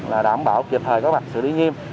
là đảm bảo kịp thời có mặt xử lý nghiêm